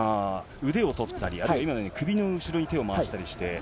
腕を取ったり、あるいは今のように首の後ろに手を回したりして。